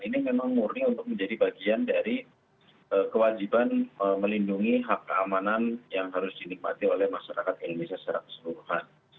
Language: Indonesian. ini memang murni untuk menjadi bagian dari kewajiban melindungi hak keamanan yang harus dinikmati oleh masyarakat indonesia secara keseluruhan